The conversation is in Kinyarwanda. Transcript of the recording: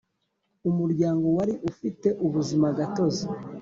Umuryango wari ufite ubuzimagatozi